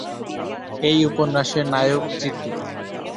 এই উপন্যাসের নায়ক জিতু।